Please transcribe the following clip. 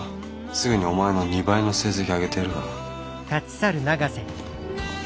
すぐにお前の２倍の成績あげてやるから。